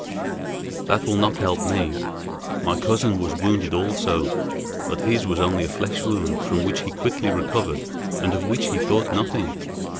"That will not help me. My cousin was wounded also, but his was only a flesh wound from which he quickly recovered and of which he thought nothing.